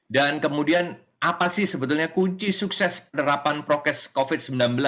dan kemudian apa sih sebetulnya kunci sukses penerapan prokes covid sembilan belas